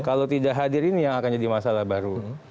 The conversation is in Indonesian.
kalau tidak hadir ini yang akan jadi masalah baru